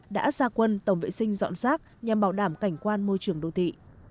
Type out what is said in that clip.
đã xa quân tổng vệ sinh dọn xác nhằm bảo đảm cảnh quan môi trường đô thị